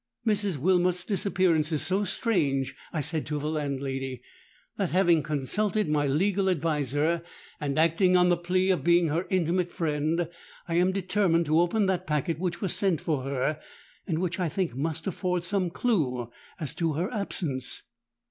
'Mrs. Wilmot's disappearance is so strange,' I said to the landlady, 'that, having consulted my legal adviser, and acting on the plea of being her intimate friend, I am determined to open that packet which was sent for her, and which I think must afford some clue to her absence.'